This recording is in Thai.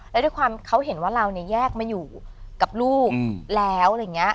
แล้วด้วยความเขาเห็นว่าเราเนี่ยแยกมาอยู่กับลูกแล้ว